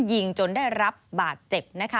ยิงจนได้รับบาดเจ็บ